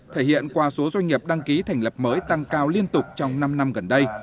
thể hiện qua số doanh nghiệp đăng ký thành lập mới tăng cao liên tục trong năm năm gần đây